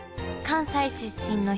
関西出身で？